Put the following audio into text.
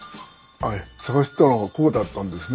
あっ探してたのはここだったんですね。